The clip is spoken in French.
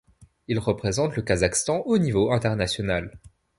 Il représente le Kazakhstan au niveau international.